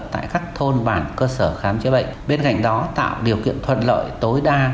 tại các thôn bản cơ sở khám chữa bệnh bên cạnh đó tạo điều kiện thuận lợi tối đa